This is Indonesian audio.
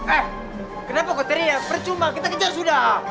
eh kenapa kau cari yang percuma kita kejar sudah